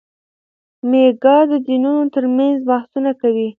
میکا د دینونو ترمنځ بحثونه کوي.